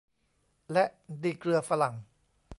และดีเกลือฝรั่ง